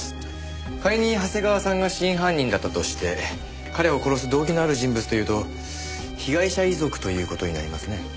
仮に長谷川さんが真犯人だったとして彼を殺す動機のある人物というと被害者遺族という事になりますね。